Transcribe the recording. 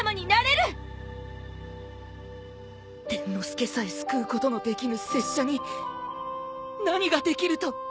伝の助さえ救うことのできぬ拙者に何ができると。